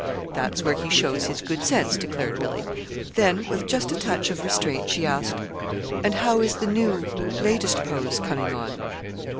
"That's where he shows his good sense," declared Billy. Then, with just a touch of constraint, she asked: "And how is the new, latest pose coming on?"